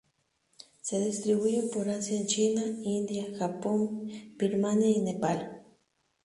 Se distribuyen por Asia en China, India, Japón, Birmania y Nepal.